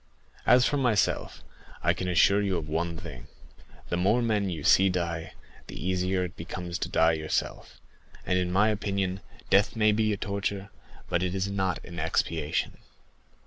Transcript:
As for myself, I can assure you of one thing,—the more men you see die, the easier it becomes to die yourself; and in my opinion, death may be a torture, but it is not an expiation."